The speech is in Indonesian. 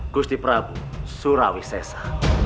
gusti prabu surawi sesa